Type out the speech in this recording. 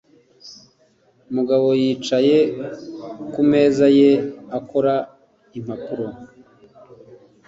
Mugabo yicaye ku meza ye akora impapuro.